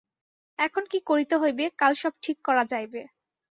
এখন কী করিতে হইবে, কাল সব ঠিক করা যাইবে।